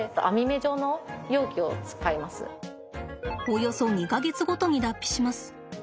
およそ２か月ごとに脱皮します。